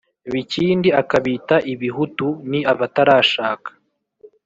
bikindi akabita “ibihutu…” ni abatarashaka